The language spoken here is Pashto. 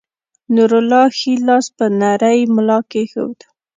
نورالله ښے لاس پۀ نرۍ ملا کېښود